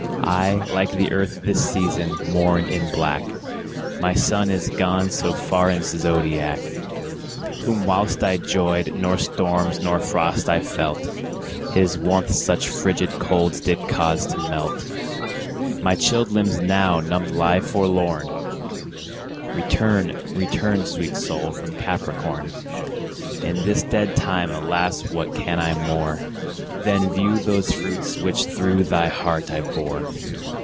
I, like the Earth this season, mourn in black, My Sun is gone so far in's zodiac, Whom whilst I 'joyed, nor storms, nor frost I felt, His warmth such fridged colds did cause to melt. My chilled limbs now numbed lie forlorn; Return; return, sweet Sol, from Capricorn; In this dead time, alas, what can I more Than view those fruits which through thy heart I bore?